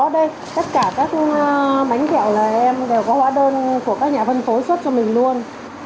tất cả các bánh kẹo là em đều có hóa đơn của các nhà phân phối xuất cho mình luôn